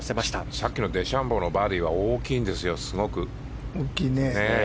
さっきのデシャンボーのバーディーが大きいんですよ、すごく。